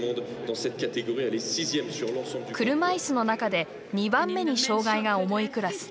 車いすの中で２番目に障がいが重いクラス。